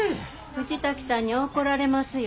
藤滝さんに怒られますよ。